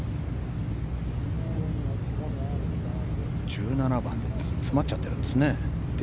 １７番で詰まっちゃってるんですね。